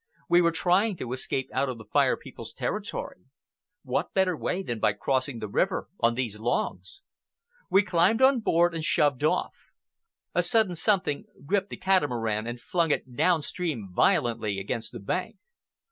We were trying to escape out of the Fire People's territory. What better way than by crossing the river on these logs? We climbed on board and shoved off. A sudden something gripped the catamaran and flung it downstream violently against the bank.